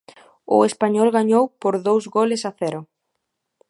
O Español gañou por dous goles a cero.